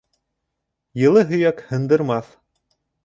Йылы һөйәк һындырмаҫ